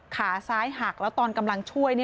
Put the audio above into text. ขาซ้ายหักแล้วตอนกำลังช่วย